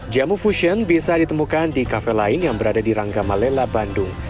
jamu fusion bisa ditemukan di kafe lain yang berada di rangga malela bandung